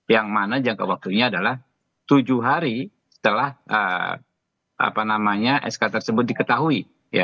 yang mana jangka waktunya adalah tujuh hari setelah sk tersebut diketahui